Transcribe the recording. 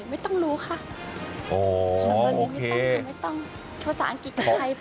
ไม่ต้องรู้ค่ะภาษาอังกฤษกับไทยพอ